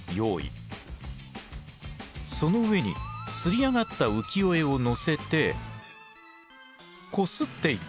その上に刷り上がった浮世絵をのせてこすっていく。